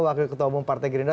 wakil ketua umum partai gerindra